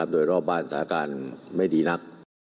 โดยรอบบ้านสถาบันไม่ดีนัก